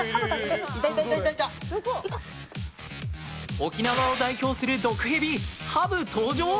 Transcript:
沖縄を代表する毒蛇ハブ登場。